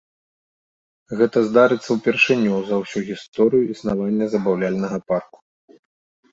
Гэта здарыцца ўпершыню за ўсю гісторыю існавання забаўляльнага парку.